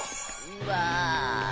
うわ。